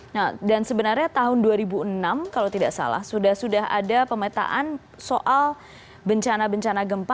nah dan sebenarnya tahun dua ribu enam kalau tidak salah sudah sudah ada pemetaan soal bencana bencana gempa